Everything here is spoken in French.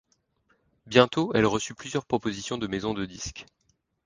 Bientôt, elle reçut plusieurs propositions de maisons de disques.